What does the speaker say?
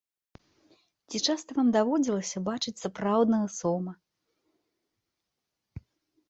Ці часта вам даводзілася бачыць сапраўднага сома?